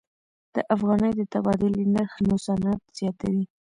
د افغانۍ د تبادلې نرخ نوسانات زیاتوي.